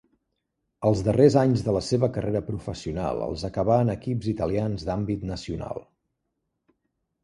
Els darrers anys de la seva carrera professional els acabà en equips italians d'àmbit nacional.